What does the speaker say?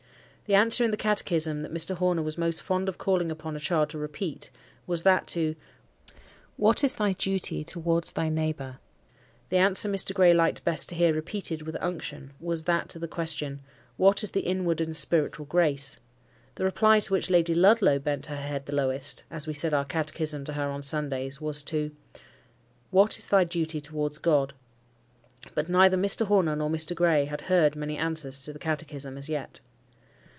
The answer in the Catechism that Mr. Horner was most fond of calling upon a child to repeat, was that to, "What is thy duty towards thy neighbour?" The answer Mr. Gray liked best to hear repeated with unction, was that to the question, "What is the inward and spiritual grace?" The reply to which Lady Ludlow bent her head the lowest, as we said our Catechism to her on Sundays, was to, "What is thy duty towards God?" But neither Mr. Horner nor Mr. Gray had heard many answers to the Catechism as yet.